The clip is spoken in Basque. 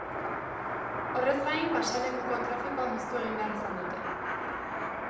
Horrez gain, pasealekuko trafikoa moztu egin behar izan dute.